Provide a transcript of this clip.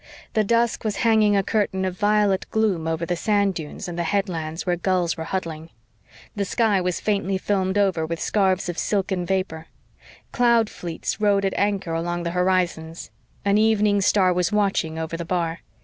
The dusk was hanging a curtain of violet gloom over the sand dunes and the headlands where gulls were huddling. The sky was faintly filmed over with scarfs of silken vapor. Cloud fleets rode at anchor along the horizons. An evening star was watching over the bar.